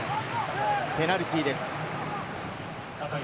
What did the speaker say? ペナルティーです。